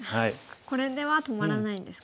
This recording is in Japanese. これでは止まらないんですか。